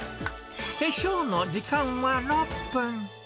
化粧の時間は６分。